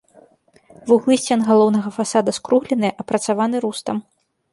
Вуглы сцен галоўнага фасада скругленыя, апрацаваны рустам.